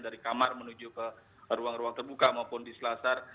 dari kamar menuju ke ruang ruang terbuka maupun di selasar